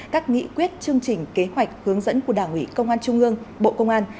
các nghị quyết chương trình kế hoạch hướng dẫn của đảng ủy công an trung ương bộ công an